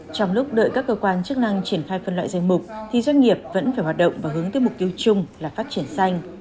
trong lúc đợi các cơ quan chức năng triển khai phân loại danh mục thì doanh nghiệp vẫn phải hoạt động và hướng tới mục tiêu chung là phát triển xanh